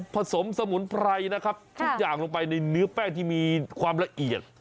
สมสมุนไพรนะครับทุกอย่างลงไปในเนื้อแป้งที่มีความละเอียด